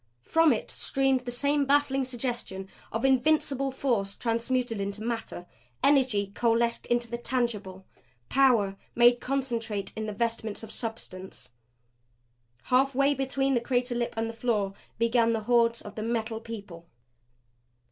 From it streamed the same baffling suggestion of invincible force transmuted into matter; energy coalesced into the tangible; power made concentrate in the vestments of substance. Half way between crater lip and floor began the hordes of the Metal People.